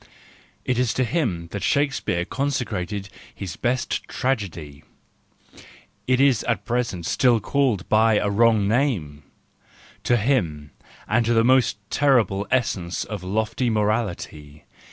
It is to him that Shakespeare conse¬ crated his best tragedy—it is at present still called by a wrong name,—to him and to the most terrible essence of lofty morality.